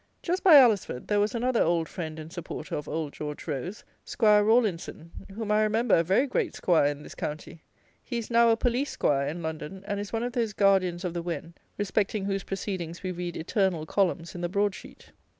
Just by Alresford, there was another old friend and supporter of Old George Rose, 'Squire Rawlinson, whom I remember a very great 'squire in this county. He is now a Police 'squire in London, and is one of those guardians of the Wen, respecting whose proceedings we read eternal columns in the broad sheet.